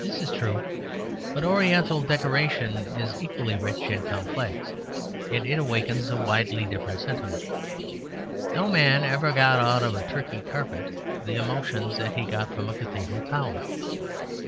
This is true; but Oriental decoration is equally rich and complex, yet it awakens a widely different sentiment. No man ever got out of a Turkey carpet the emotions that he got from a cathedral tower.